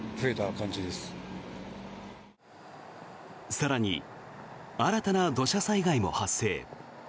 更に、新たな土砂災害も発生。